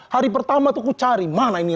hari pertama tuh ku cari mana ini